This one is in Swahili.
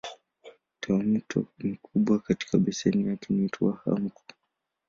Tawimto mkubwa katika beseni yake ni Ruaha Mkuu.